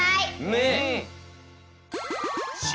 ねえ。